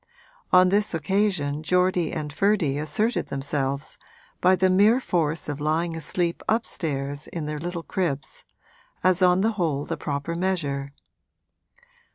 On this occasion Geordie and Ferdy asserted themselves, by the mere force of lying asleep upstairs in their little cribs, as on the whole the proper measure.